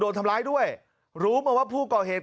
โดนทำร้ายด้วยรู้มาว่าผู้ก่อเหตุ